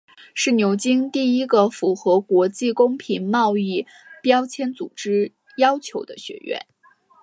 是牛津第一个符合国际公平贸易标签组织要求的学院。